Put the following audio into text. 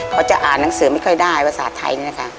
เขาจะอ่านหนังสือไม่ค่อยได้ภาษาไทยนี่แหละค่ะ